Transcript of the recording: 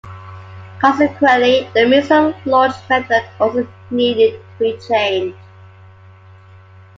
Consequently, the missile launch method also needed to be changed.